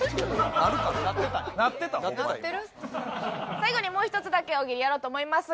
最後にもう１つだけ大喜利やろうと思いますが。